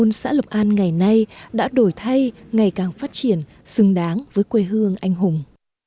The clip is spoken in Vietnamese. quân xã lộc an ngày nay đã đổi thay ngày càng phát triển xứng đáng với quê hương anh hùng